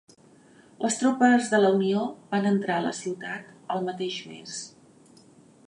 Les tropes de la Unió van entrar a la ciutat el mateix mes.